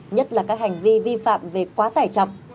nhất là các hành vi vi phạm về quá tải trọng